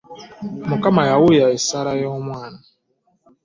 Mukama yawulira essaala yo mwana.